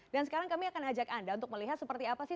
dan sekarang kami akan ajak anda untuk melihat seperti apa sih